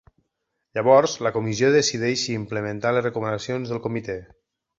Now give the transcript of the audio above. Llavors, la comissió decideix si implementar les recomanacions del comitè.